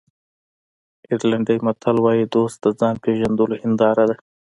آیرلېنډي متل وایي دوست د ځان پېژندلو هنداره ده.